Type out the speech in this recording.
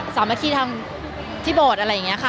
สามารถที่ทำที่โบสถ์อะไรอย่างเงี้ยค่ะ